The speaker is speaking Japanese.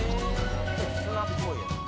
砂っぽいやつ？